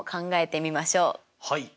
はい。